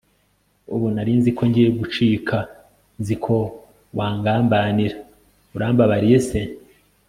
ubu narinzi ko ngiye gucika nzi ko wangamabanira, urambabariye se!